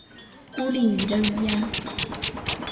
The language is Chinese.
孤立语的语言。